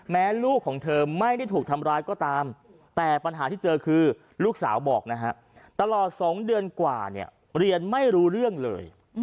แม่ลูกของเธอไม่ได้ถูกทำร้ายก็ตามแต่ปัญหาที่เจอคือลูกสาวบอกนะฮะตลอด๒เดือนกว่าเนี่ยเรียนไม่รู้เรื่องเลย